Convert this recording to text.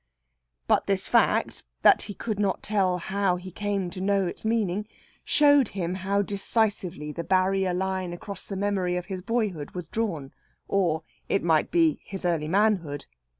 But this fact, that he could not tell how he came to know its meaning, showed him how decisively the barrier line across the memory of his boyhood was drawn, or, it might be, his early manhood.